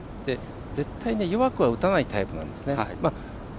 絶対、弱くは打たないタイプなんですね。